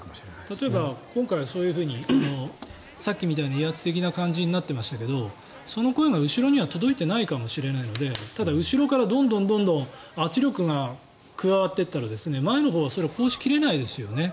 例えば、今回そういうふうにさっきみたいに威圧的な感じになっていましたがその声が後ろには届いていないかもしれないのでただ、後ろからどんどん圧力が加わっていったら前のほうはそれは抗し切れないですよね。